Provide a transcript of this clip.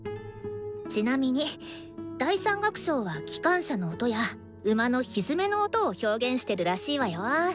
ちなみに第３楽章は機関車の音や馬のひづめの音を表現してるらしいわよ。